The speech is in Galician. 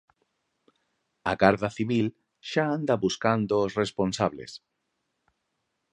A Garda Civil xa anda buscando os responsables.